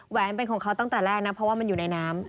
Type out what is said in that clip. แวนเป็นของเขาตั้งแต่แรกนะเพราะว่ามันอยู่ในน้ำ